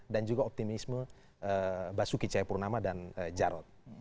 dan juga optimisme basuki cahayapurnama dan jarod